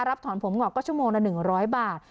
รับถอนผมงอกก็ชั่วโมงละหนึ่งร้อยบาท